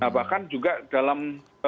nah bahkan juga dalam